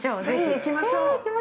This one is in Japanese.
◆ぜひ行きましょう。